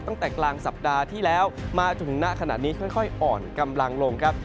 ตั้งแต่กลางสัปดาห์ที่แล้วมาจนถึงณขณะนี้ค่อยอ่อนกำลังลงครับ